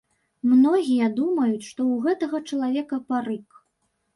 Многія думаюць, што ў гэтага чалавека парык.